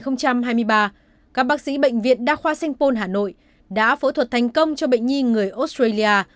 năm hai nghìn hai mươi ba các bác sĩ bệnh viện đa khoa sanh pôn hà nội đã phẫu thuật thành công cho bệnh nhi người australia